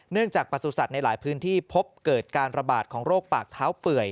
จากประสุทธิ์ในหลายพื้นที่พบเกิดการระบาดของโรคปากเท้าเปื่อย